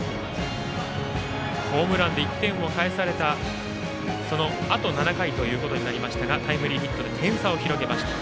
ホームランで１点を返されたあと７回ということになりましたがタイムリーヒットで点差を広げました。